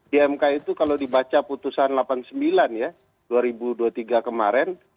di mk itu kalau dibaca putusan delapan puluh sembilan ya dua ribu dua puluh tiga kemarin